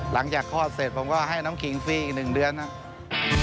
หลังจากคลอดเสร็จผมก็ให้น้องขิงฟี่อีก๑เดือนครับ